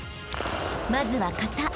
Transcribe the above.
［まずは形］